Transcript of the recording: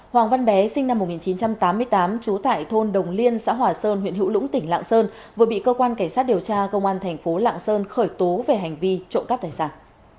hoàng văn bé sinh năm một nghìn chín trăm tám mươi tám trú tại thôn đồng liên xã hòa sơn huyện hữu lũng tỉnh lạng sơn vừa bị cơ quan cảnh sát điều tra công an thành phố lạng sơn khởi tố về hành vi trộm cắp tài sản